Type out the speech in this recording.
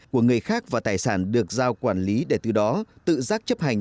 của người khác và tài sản được giao quản lý để từ đó tự giác chấp hành